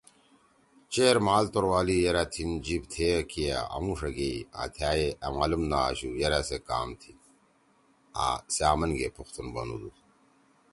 چیر مھال توروالی یرأ تھیِن جیِب تھئے کیا آمُوݜا گیئی آں تھأ ئے أ معلوم نہ آشُو یرأ سے کام تھی آں سے آمن گے پختون بنُودُود، مھیرے ائی بی ٹی سی کم سی وجہ دے تھائے تھیِن شناخت سی پتہ گھیڑی آں سے مھیرے تُنُو خلگا سیت پخولا ہُوئی۔